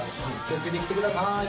気を付けて来てください。